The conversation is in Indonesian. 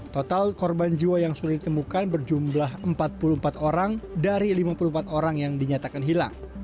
total korban jiwa yang sudah ditemukan berjumlah empat puluh empat orang dari lima puluh empat orang yang dinyatakan hilang